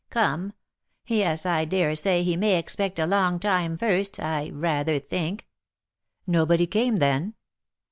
Come! Yes, I daresay he may expect a long time first, I rather think." "Nobody came then?"